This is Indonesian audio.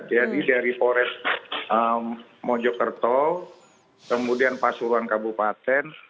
jadi dari polres mojokerto kemudian pasuruan kabupaten